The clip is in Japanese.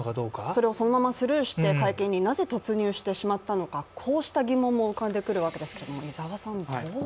それをスルーして、そのまま会見になぜ突入してしまったのか、こうした疑問も浮かんでくるわけですけども。